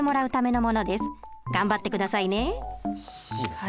頑張って下さいね。